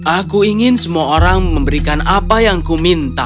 aku ingin semua orang memberikan apa yang ku minta